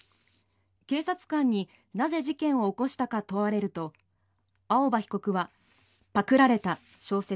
警察官になぜ事件を起こしたか問われると青葉被告はパクられた、小説。